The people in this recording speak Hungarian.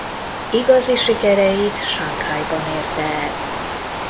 Igazi sikereit Sanghajban érte el.